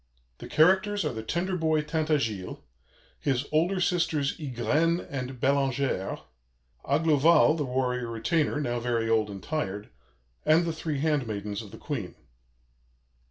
The characters are the tender boy Tintagiles; his older sisters, Ygraine and Bellangère; Aglovale, the warrior retainer, now very old and tired; and the three handmaidens of the Queen.